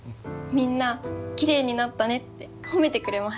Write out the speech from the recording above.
みんなきれいになったねって褒めてくれます。